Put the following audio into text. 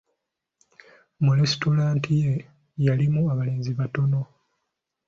Mu lesitulanta ye yalinamu abalenzi batono.